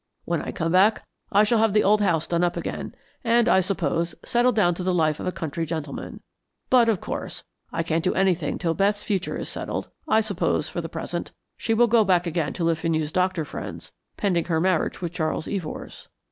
When I come back I shall have the old house done up again, and, I suppose, settle down to the life of a country gentleman. But, of course, I can't do anything till Beth's future is settled. I suppose, for the present, she will go back again to Le Fenu's doctor friends, pending her marriage with Charles Evors."